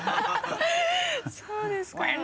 そうですか。